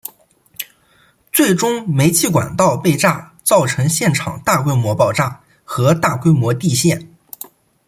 最终煤气管道被炸造成现场大规模爆炸和大规模地陷。